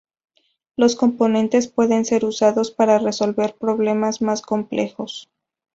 Los componentes pueden ser usados para resolver problemas más complejos.